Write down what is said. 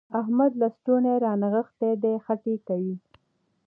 احمد لستوڼي رانغښتي دي؛ خټې کوي.